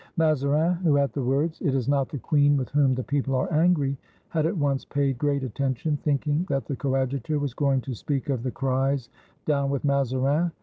Mazarin, who at the words, "It is not the queen with whom the people are angry," had at once paid great attention, thinking that the Coadjutor was going to speak of the cries, "Down with Mazarin!"